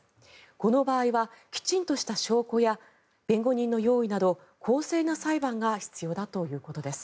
この場合は、きちんとした証拠や弁護人の用意など公正な裁判が必要だということです。